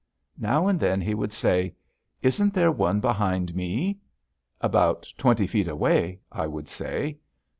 Now and then he would say: "Isn't there one behind me?" "About twenty feet away," I would say.